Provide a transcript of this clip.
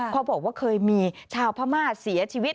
เขาบอกว่าเคยมีชาวพม่าเสียชีวิต